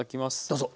どうぞ。